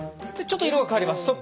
ちょっと色が変わります。